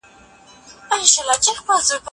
چېري د کثافاتو د تنظیم لپاره منظم ځایونه شتون لري؟